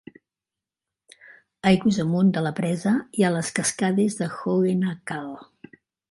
Aigües amunt de la presa hi ha les cascades de Hogenakkal.